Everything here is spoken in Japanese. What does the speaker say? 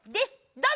どうぞ！